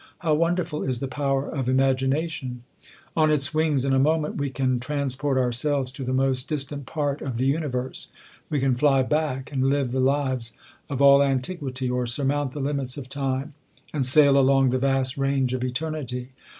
How wonderful is the power of iim agination ! On its wings, in a moment, we can transl port ourselves to the most distant part of the universe.^ We can fly back, and live the lives of all antiquity, or surmount the limits of time, and sail along the vast range of eternity.